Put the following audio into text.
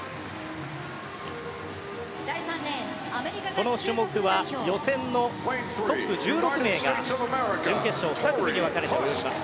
この種目は予選のトップ１６名が準決勝２組に分かれて泳ぎます。